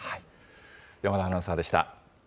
山田アナウンサーでした。